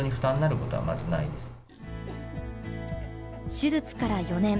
手術から４年。